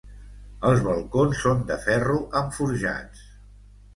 Els balcons són de ferro amb forjats.